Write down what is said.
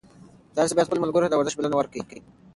تاسي باید خپلو ملګرو ته د ورزش بلنه ورکړئ.